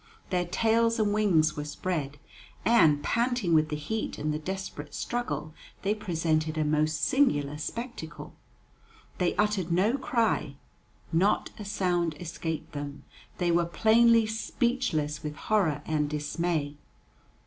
Their tails and wings were spread, and, panting with the heat and the desperate struggle, they presented a most singular spectacle. They uttered no cry, not a sound escaped them; they were plainly speechless with horror and dismay.